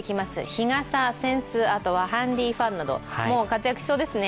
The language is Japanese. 日傘、扇子、ハンディーファンなども活躍しそうですね。